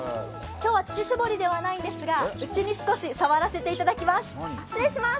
今日は乳搾りではないんですが、牛に少し触らせていただきます。